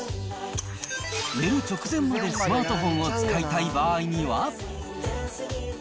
寝る直前までスマートフォンを使いたい場合には。